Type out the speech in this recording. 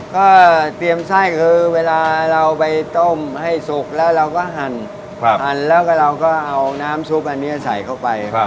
ก็เตรียมไส้คือเวลาเราไปต้มให้สุกแล้วเราก็หั่นแล้วก็เราก็เอาน้ำซุปอันนี้ใส่เข้าไป